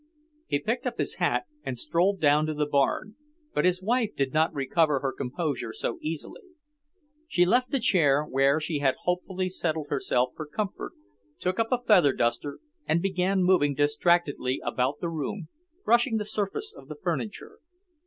He picked up his hat and strolled down to the barn, but his wife did not recover her composure so easily. She left the chair where she had hopefully settled herself for comfort, took up a feather duster and began moving distractedly about the room, brushing the surface of the furniture.